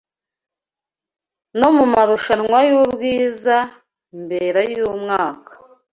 no mu marushanwa y’ubwiza mbera y’umwaka